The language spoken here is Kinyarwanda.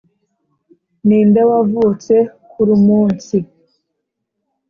ninde wavutse kurumunsi